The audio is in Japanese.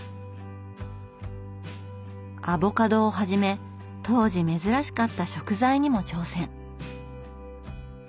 アボカドをはじめ当時珍しかった食材にも挑戦。